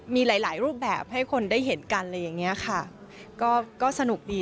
มีหลายรูปแบบให้คนได้เห็นกันก็สนุกดี